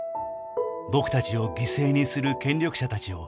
「僕たちを犠牲にする権力者たちを」